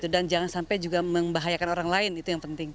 dan jangan sampai juga membahayakan orang lain itu yang penting